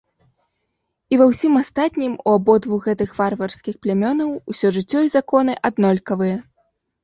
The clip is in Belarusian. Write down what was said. І ва ўсім астатнім у абодвух гэтых варварскіх плямёнаў усё жыццё і законы аднолькавыя.